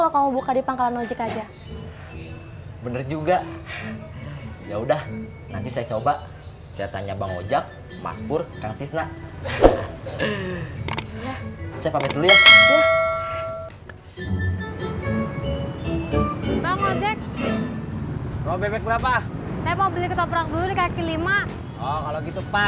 sampai jumpa di video selanjutnya